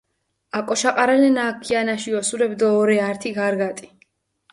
აკოშაყარელენა აქ ქიანაში ოსურეფი დო ორე ართი გარგატი.